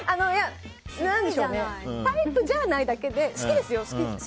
タイプじゃないだけで好きですよ。